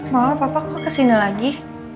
maaf papa kok ke sini lagi